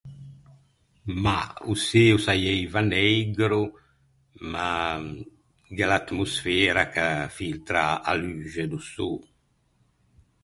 Mah, o çê o saieiva neigro, ma gh’é l’atmosfera ch’a filtra a luxe do sô.